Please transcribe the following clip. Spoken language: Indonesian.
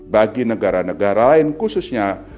bagi negara negara lain khususnya